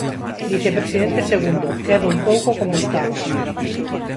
Vicepresidente segundo, quedo un pouco como estaba.